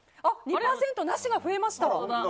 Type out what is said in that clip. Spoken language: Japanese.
２％、なしが増えました。